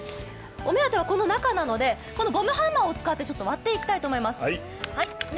お目当ては、この中なので、このゴムハンマーを使って割っていきたいと思います。